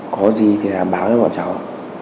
có gì thì báo cho bọn cháu